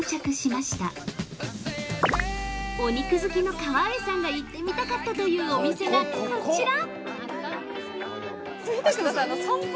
◆お肉好きの川栄さんが行ってみたかったというお店がこちら！